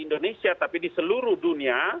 indonesia tapi di seluruh dunia